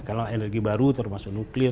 kalau energi baru termasuk nuklir